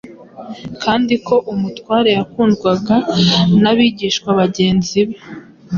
kandi ko Umutware wakundwaga n’abigishwa bagenzi be